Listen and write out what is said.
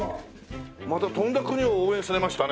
またとんだ国を応援されましたね。